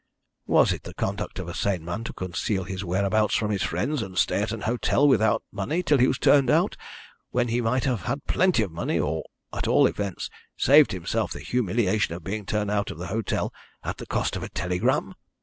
Was it the conduct of a sane man to conceal his whereabouts from his friends, and stay at an hotel without money till he was turned out, when he might have had plenty of money, or at all events saved himself the humiliation of being turned out of the hotel, at the cost of a telegram?